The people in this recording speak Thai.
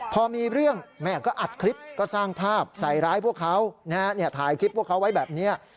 พอมีเรื่องแม่ก็อัดคลิปก็สร้างภาพใส่ร้ายพวกเขาถ่ายคลิปพวกเขาไว้แบบนี้